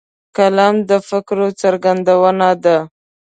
قلم د فکرو څرګندونه ده